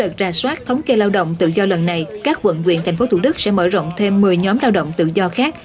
các thống kê lao động tự do lần này các quận nguyện thành phố thủ đức sẽ mở rộng thêm một mươi nhóm lao động tự do khác